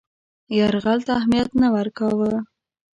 یرغل ته اهمیت نه ورکاوه.